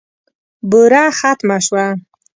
بوره ختمه شوه .